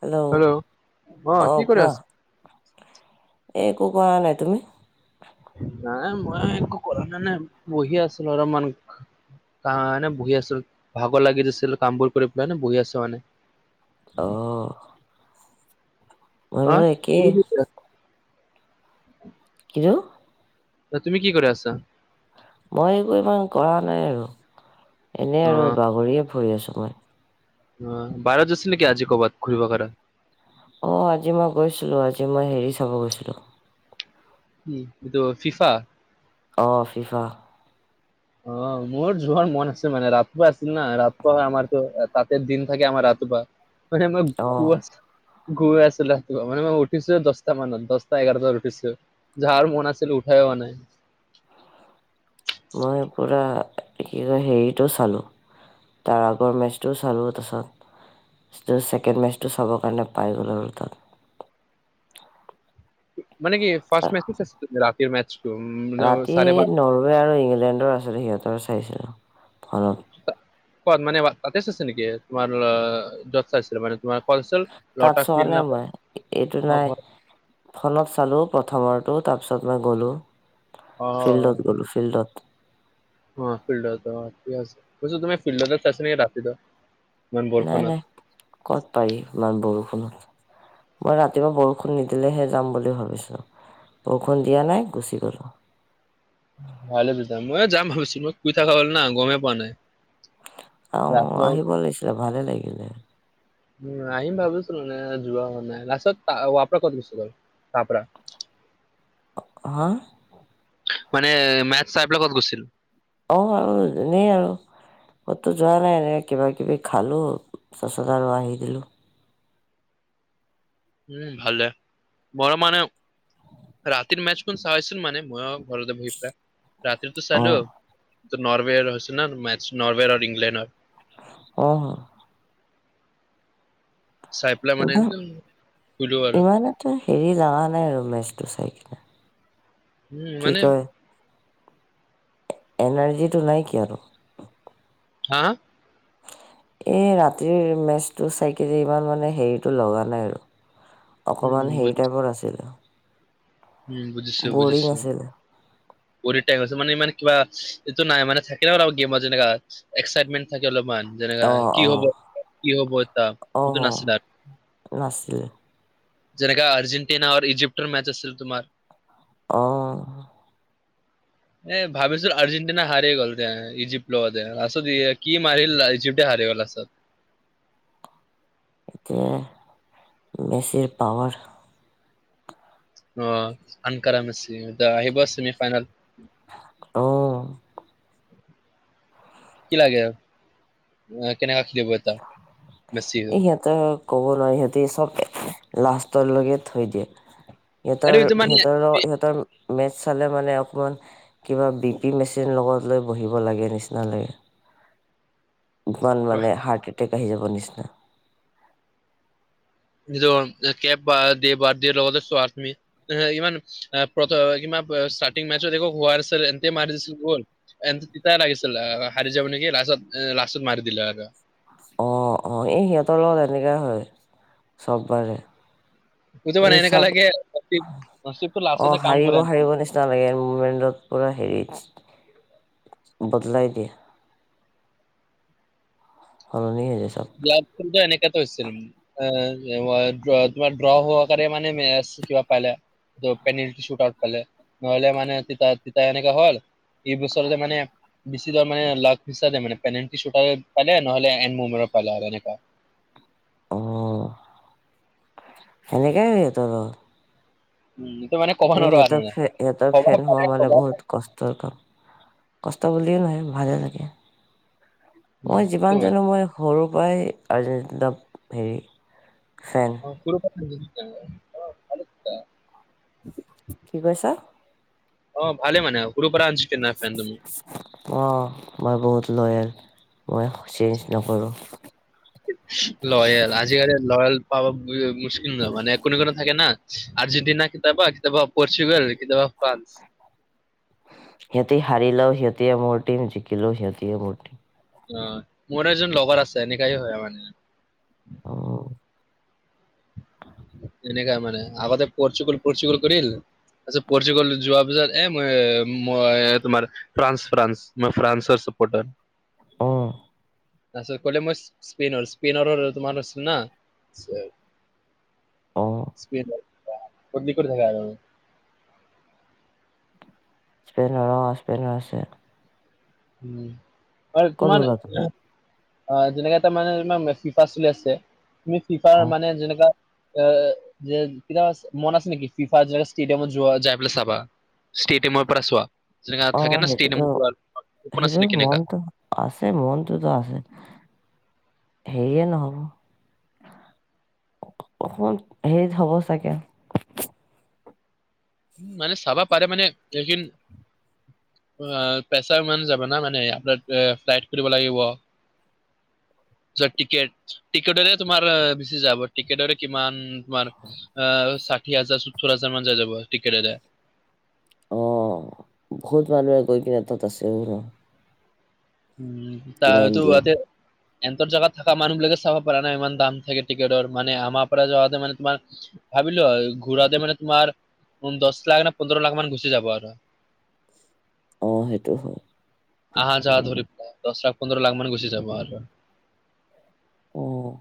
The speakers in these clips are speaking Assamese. হেল্ল' অ কি কৰি কোৱা আছ? এই একো কৰা নাই তুমি নাই মই একো কৰা নাই নাই বহিয়ে আছিলো অলমান কা এনে বহি আছিল ভাগৰ লাগি দিছিল কামবোৰ কৰি পেলাই ন বহি আছো মানে অহ অ তুমি ময়ো একে কি কৰি [unintelligible] কিন্তু তুমি কি কৰি আছা মই একো ইমান কৰা নাই আৰু এনে অ আৰু বাগৰিয়ে ফুৰি আছো কোৱা অ বাৰত আছিল নেকি আজি ক'বাত [unintelligible] অঁ আজি মই গৈছিলোঁ আজি মই হেৰি চাব গৈছিলোঁ উম ইটো ফিফা অ ফিফা অ মোৰ যোৱাৰ মন আছে মানে ৰাতিপুৱা আছিল না ৰাতিপুৱা আমাৰতো তাঁতেৰ দিন থাকে আমাৰ ৰা অ [unintelligible] ঘূই আছিলে মানে মই উঠিছো দশটা মানত দহটা এঘাৰ বজাত উঠিছো যাৰ মন আছিল উঠাই হোৱা নাই মই পুৰা কি কয় হেৰিটো চালোঁ তাৰ আগৰ মেচটোও চালোঁ তাৰপিছত ছেকেণ্ড মেচটো চাবৰ কাৰণে পাই গ'ল আৰু তাত মানে কি ফাৰ্ষট [unintelligible] ৰাতিৰ মচ ৰাতি নৰৱে আৰু ইংলেণ্ডৰ আছিলে সিহঁতৰ চাইছিলো ফনত কত মানে তাতে চাচে আছে নেকি তোমাৰ অ যত চাই আছিলে মানে তোমাৰ কলচল তাত চোৱা নাই মই এইটো নাই [unintelligible] ফোনত চালো প্ৰথমোতো তাৰপিছত মই গ'লো ফিল্ডত গলো ফিল্ডত অ ফিল্ডত অ ঠিকে আছে [unintelligible] ফিল্ডত চাইছে নেকি ৰাতিতো নাই নাই ক'ত পাৰি ইমান বৰষুণত মই ৰাতিপুৱা বৰষুণ নিদিলেহে যাম বুলি ভাবিছোঁ বৰষুণ দিয়া নাই গুচি গ'লোঁ ভালে বুজিছা ময়ো যাম ভাবিছো মই শুই থাকা হ'ল না গমেই পোৱা নাই আও ৰাতিপুৱা আহিব লাগিছিলে ভালে লাগিলে উ আহিম ভাবিছিলো নে যোৱা হোৱা নাই [unintelligible] অ হা মানে মেথ চাই পেলাই ক'ত গৈছিল? অঁ আৰু যেনেই আৰু ক'তো যোৱা নাই ন কিবা কিবি খালো তাছত আৰু আহি দিলো। উম ভালে বৰ মানে ৰাতিৰ মেচ খন চাইছিলো মানে [unintelligible] পাই। ৰাতিতো অ চালো নৰৱেৰ হৈছে ন ম নৰৱেৰ আৰু ইংলেণ্ডৰ। অ চাই পেলাই মানে এম শুলো আৰু। তো হেৰি লগা নাই আৰু মেচটো চাই কিনে উম কি মানে কয় এনাৰ্জিটো নাই কিয়নো? হা এ ৰাতিৰ মেচটো চাই কে ইমান মানে হেৰিতটো লগা নাই আৰু [unintelligible] অকণমান হেৰি বুজিছো টাইপত আছিলোঁ উম বুজিছো বুজিছো। আছিলে [unintelligible] মানে ইমান কিবা এইটো নাই মান থাকে নাৰ গেমত যেনেকা এক্সাইটমেট থাকে অলপমান যেনেক অ কি হব কি হব এটা অ অ সটো ন আছিল আৰু নাছিলে যেনেকা আৰ্জেণ্টিনা আৰু ইজিপ্টৰ মেচ আছিল তোমাৰ অ এ ভাবিছো আৰ্জেণ্টিনা হাৰি গ'ল তেওঁ ইজিপ্ট মধে আত কি মাৰিল ইজিপ্তটে হাৰি গ'ল লাষ্ট্টত এতিয়া মেচিৰ পাৱাৰ অ আনকাৰ মেছে এতিয়া আহিব ছেমি ফাইনেল অ কি লাগে? কেনেকা খেলিব? বেছি এই সিহঁতে ক'ব নোৱাৰি সিহঁতে সব লাষ্টৰ লৈকে থৈ দিয়ে। আৰু সিহঁতৰ এইটো মানে সিহঁতৰ সিহঁতৰ মেচ চালে মানে অকমান কিবা বি পি মেচিন লগত লৈ বহিব লাগে নিচিনা লাগে। ইমান মানে হাৰ্ট এটেক আহি যাব নিচিনা [unintelligible] এই ইমান প্ৰথ ষ্টাৰ্টিং মেথচ দেখ হোৱা নাছিল এ মাৰি দিছিল গ'ল। এ তিতাই লাগিছিল হাৰি যাব নেকি লাষ্টত লাষ্টত মাৰি দিলে আৰু অ অ এই সিহঁতৰ লগত এনেকা হয় চব বাৰে বুজি পা নাই এই এনেকুৱা লাগে নি অ লাষ্টতে কাম হাৰিব কৰে আন হাৰিব নিচিনা লাগে মুমেন্টত পুৰা হেৰিত বদলাই দিয়া সলনি হৈ যায় চব ব্ল এনেকা হৈছিল এ', তোমাৰ ড্ৰ' হোৱাৰ কাৰে মানে মেচ কিবা পাইনা পেনেটি শ্বুট আউট পালে। নহলে মানেপ দুটা দুটা এনেকা হ'ল এই বছৰতে মানে মানে লাক পেনেলটো শ্বুতাউত পালে নহলে এন্ড মমেণ্ডত পালে আৰু এনেকা অ', সেনেকাই সিহতৰ উম। ইয়াত মানে ক'ব এ নোৱাৰো আৰু সিহতৰ, মানে ফে ক'ব ফেন হোৱা পাৰে মানে ক'ব বহুত কষ্টৰ কাম। কষ্ট বুলিয়েই নহয় ভালে লাগে। উম, মই সেইটো যিমান মানে। জানো মই সৰুৰ পৰাই আৰ্জেন্দীদা হেৰি ফেন। [unintelligible] কি কৈছা? অ', ভালে মানে সৰু পৰা আনছ কে না ফেন দুমু। অ', মই বহুত লয়েল, মই চেঞ্জ নকৰোঁ। লয়েল, আজিকালি লয়েল পাব মুশকিল নহয় মানে কোনো কোনো থাকে না। আৰ্জেণ্টিনা কেতিয়াবা। কেতিয়াবা পৰ্চুগাল, কেতিয়াবা ফ্ৰান্স। সিহতি হাৰিলেও সিহতি এ মোৰ টীম, জিকিলেও সিহঁতি এ টি অ'। মোৰ এজন লগৰ আছে, এনেকাই হয় আৰু মানে অ' এনেকা মানে আগতে পৰ্চ্চোগুগ পৰ্চুগুল কৰিল। আচছা পচুগাল যোৱা বজাৰ, এ মই মই তোমাৰ ফ্ৰান্স, ফ্ৰান্স। মই ফ্ৰান্স চপৰ্টাৰ। অ'। তাৰপিছত ক'লে মই স্পিনৰ, স্পিনাৰৰ তোমাৰ আছিল না অ। [unintelligible] স্পেইনৰ অ', স্পেইনৰ আছে। উম'। আৰু ক'ত তোমাৰ গ'লা তুমি? অ', যেনেকা এটা মানে তোমাৰ ফিফা চলি আছে। তুমি ফিফাৰ অ', মানে যেনেকা এ যে কিবা মন আছে নেকি? ফিফা যে ষ্টেডিয়ামত যোৱা, যায় পেলাই চাবা। ষ্টেডিয়ামৰ পৰা চোৱা। যেনেকুৱা অ', থাকে ন' সেইটোতো ষ্টেডিয়ামত চোৱা সেইটো মনটো আছে মনটোতো আছে। হেৰিয়ে নহ'ব অসমত হেৰিত হ'ব চাগে আৰু। মানে চাবা পাৰে মানে এইকিন অ' পেচা ইমান যাব না মানে আফতাৰ ফ্লাইট কৰিব লাগিব। যোৱা টিকট, টিকেটৰে তোমাৰ বেছি যাব। টিকেটৰে কিমান তোমাৰ অ, ষাঠি হাজাৰ, সত্তৰ হাজাৰ মান যাই যাব টিকেট এটা। অ', বহুত মানুহে গৈ কিনে তাত আছে আৰু। উম'। তা কিমান তো দিন। আতে এন্তৰ জেগাত থকা মানুহ বিলাকে চাব পাৰা নাই। ইমান দাম থাকে টিকেটৰ মানে আমাৰ পৰা যাওতে তোমাৰ ভাবিলো আৰু। ঘূৰাতে মানে তোমাৰ দহ লাখ নে পোন্ধৰ লাখ মান গুচি যাব আৰু। অ' সেইটো হয়। আহা যোৱা ধৰি পেলাই, দহ লাখ, পোন্ধৰ লাখ মান গুচি যাব আৰু। অ'।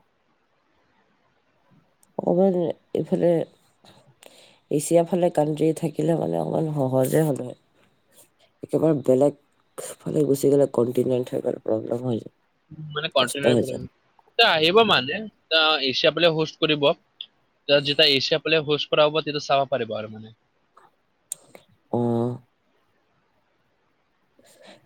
[unintelligible] হ'ব তেন্তে এইফালে এছিয়াৰ ফালে কানট্ৰি থাকিলে মানে হ'লে অকমান সহজে হ'লে হয়। একেবাৰে বেলেগ ফালে গুচি গ'লে। কণ্টিনিয়েন্ত হয় প্ৰব্লেম হৈ যায়। মানে কষ্ট হৈ যায় [unintelligible] আহিব মানে, এছিয়া ফালে হষ্ট কৰিব। যাৰ যেতিয়া এছিয়া প্লেয়াৰ হষ্ট কৰা হ'ব, তেতিয়া চাব পাৰিব আৰু মানে অ'।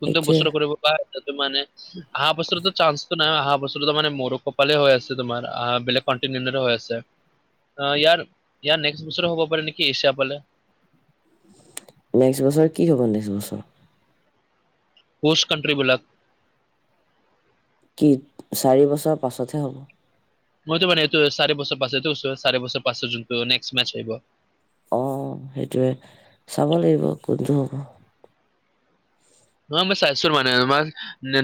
কোনটো সেইটোৱে বছৰ কৰিব বা সেইটো মানে আহা বছৰটো চান্স নাই অহা বছৰটো অলপ মানে মোৰো কপালে হৈ আছে তোমাৰ, আহ বেলেগ কণ্টিনেণ্ট হৈ আছে। অ' ইয়াৰ, ইয়াৰ নেক্সট বছৰো হ'ব পাৰে নেকি এছিয়া ফালে। নেক্সট বছৰ কি হ'ব? নেক্সট বছৰ? কৌষ্ট কাণ্ট্ৰ্ৰীবিলাক কি চাৰি বছৰ পাছতহে হ'ব? মইতো মানে এইটো চাৰি বছৰ পাছে চাৰি বছৰ পাছত যোনটো নেক্সট মেচ আহিব। অ' সেইটোৱে, চাব লাগিব কোনটো হ'ব। নহয় মই চাইছোঁ মানে তোমাৰ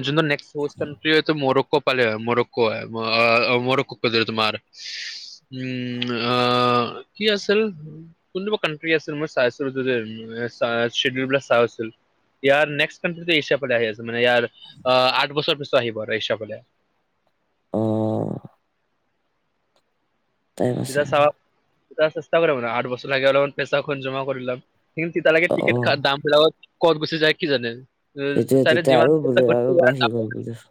যোনটো নেক্সট ক'ৰচ কামপ্লিত হৈছে মোৰো কঁপালে হয়, মৰক্কো হয়। মৰক্কো তোমাৰ উম' আহ কি আছিল? কোন কেইটা বা কাউন্ট্ৰী আছিল মই চাইছিলোঁ যে ডউল বিলাক চাই আছিল ইয়াৰ নেক্সট এছিয়াৰ ফালে আহি আছে মানে ইয়াৰ আহ আঠ বছৰৰ পিছত আহিব আৰু এছিয়াৰ ফালে। অ' টাইম আছে এতিয়া চা এতিয়া চেষ্টা মানে আঠ বছৰ লাগে অলপমান পইচাখন জমা কৰি ল'ম। কিন্তু তেতিয়া লাগে অ অ টিকেট ক'ত দাম হয় যাব ক'ত গুচি যায় কি জানে। অ' ছাৰে যিমান [unintelligible] হ'ব দে [unintelligible]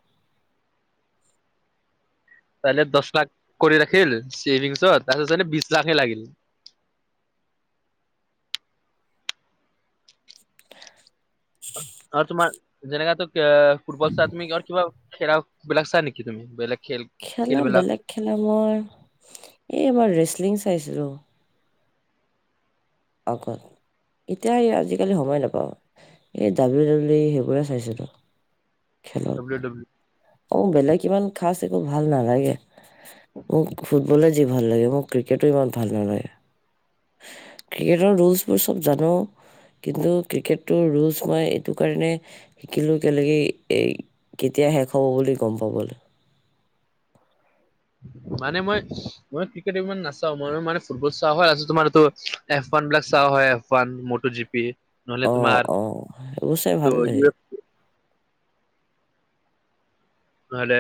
তাই দহ লাখ কৰি ৰাখিল ছেভিংছত, তাৰপিছত চাই বিশ লাখ হে লাগিল। [inaudible] আৰু তোমাৰ যেনেকটো ফুটবল চ তুমি কিবা খেলা বিলাক চাই নেকি তুমি বেলেগ খেল খেলা খেলবিলাক বেলেগ খেলা মই এই আমাৰ ৰেচলিং চাইছিলোঁ। আগত এতিয়া আজিকালি সময় নাপাওঁ। এই ডাব্লিউ ডাব্লিউ ই সেইবোৰে চাইছিলোঁ। W W. অ', বেলেগ ইমান খাচ একো ভাল নালাগে মোক ফুটবলে যি ভাল লাগে মোৰ ক্ৰিকেটো ইমান ভাল নালাগে। ক্ৰিকেটৰ ৰুলচবোৰ সব জানোঁ। কিন্তু ক্ৰিকেটটোৰ ৰুলচ মই এইটো কাৰণে শিকিলোঁ কেলেকে এই কেতিয়া শেষ হ'ব বুলি গ'ম পাবলৈ। মানে মই মই ক্ৰিকেট ইমান নাচাও মই মানে ফুটবল চা হয় ত তোমাৰ এইটো এফান বিলাক চা হয় এফান মটো জী নহ'লে অঁ তোমাৰ অঁ সেইবোৰ চাই ভাল ত লাগে ই নহ'লে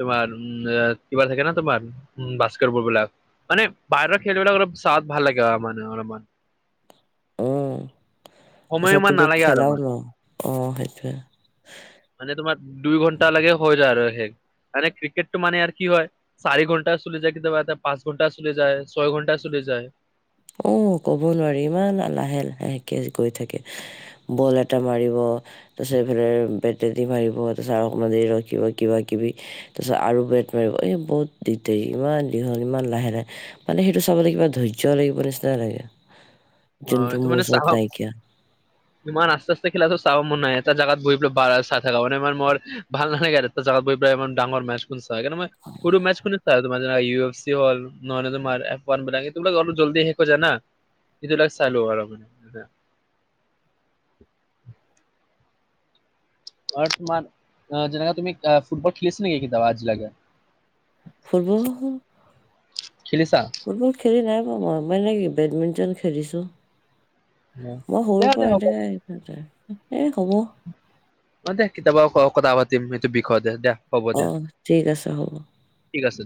তোমাৰ উম কিবা থাকে ন তোমাৰ বাস্কেটবল বিলাক। মানে বাহিৰৰ খেল বিলাক অলপ সাদ ভাল লাগে মানে অলমান। উম সময় তাৰপিছত ইমান তুমি নালাগে আৰু খেলাও ইমান ন অ', সেইটোয়ে। মানে তোমাৰ দুই ঘণ্টা লাগে হৈ যায় আৰু সেই মানে ক্ৰিকেটটো মানে আৰু কি হয় চাৰি ঘণ্টা চলি যায় কেতিয়াবা এটা পাঁচ ঘণ্টা চলি যায় ছয় ঘণ্টা চলি যায় উ কব নোৱাৰি ইমান লাহে লাহেকে গৈ থাকে। বল এটা মাৰিব। তাৰপিছত এইফালে বেটদি মাৰিব তাৰপিছত অ', মাজে ৰখিব কিবা কিবি তাৰপিছত আৰু বেট মাৰিব এই বহুত দিদাৰি ইমান দীঘল ইমান লাহে, লাহে মানে সেইটো চাবলৈ কিবা ধৈৰ্যও লাগিব নিচিনা লাগে অ যোনটো এইটো মোৰ মানে চাহ ওচৰত নাইকিয়া। ইমান আ্চতে আ্চতে খেলা চাব মন নাই এটা জাগাত বহ পো বাৰ চাই থাকা মানে মাৰ মোৰ ভাল নালাগে ত জাগাত ব বহি পেলাই ইমান ডাঙৰ মেছখন চোৱা সেই কাৰণে মই সৰু মেচ খুনে চায় তোমাৰ ইউ এফ চি হ'ল নহয় তোমাৰ এফনবিলাকে তোমালোক অলপ জল্দি শেষ হৈ যায় না। এইটো লাগা চালো আৰু। আৰু তোমাৰ যেনেকে তুমি ফুটবল খেলিছে নেকি [unintelligible] ফুটবল খেলিছা? ফুটবল খেলি নাই পোৱা মই বেডমিণ্টন খেলিছোঁ। উম। মই দে সৰুৰ দে হ'ব। পৰা এনে এ হ'ব। ম দে কিতয়াবা কথা পাতিম সটো বিষয়ে দে দে। অ', ঠিক আছে হ'ব। ঠিক আছে।